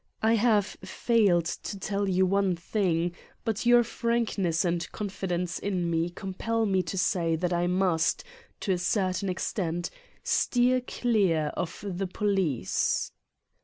I have failed to tell you one thing, but your frankness and confidence in me compell me to say that I must, to a certain extent, steer clear of the police.